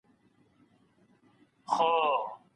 ایا موږ له کړکۍ څخه ډبره چاڼ کړه؟